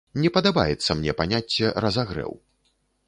Не падабаецца мне паняцце разагрэў.